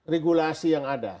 regulasi yang ada